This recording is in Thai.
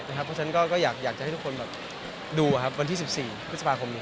เพราะฉะนั้นก็อยากจะให้ทุกคนดูวันที่๑๔พฤษภาคมนี้